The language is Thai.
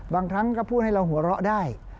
บางครั้งก็พูดให้เราหัวเราะได้